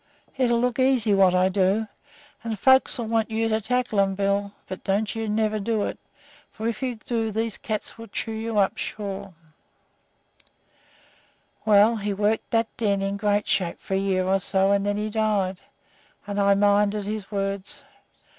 It'll look easy what I do, and folks'll want you to tackle 'em, Bill, but don't you never do it, for if you do these cats'll chew ye up sure.' [Illustration: MAN IN CAGE WITH LIONS.] "Well, he worked that den in great shape for a year or so, and then he died, and I minded his words.